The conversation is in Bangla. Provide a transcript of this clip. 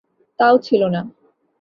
তাও ছিল না।